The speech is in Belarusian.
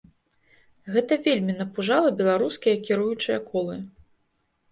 Гэта вельмі напужала беларускія кіруючыя колы.